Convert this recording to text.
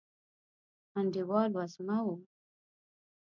انډیوال وزمه و